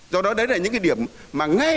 do đó đấy là những điểm mà ngay